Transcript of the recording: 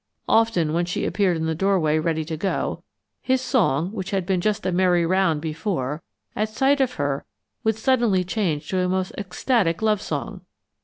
Often when she appeared in the doorway ready to go, his song, which had been just a merry round before, at sight of her would suddenly change to a most ecstatic love song.